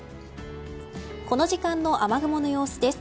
この時間の雨雲の様子です。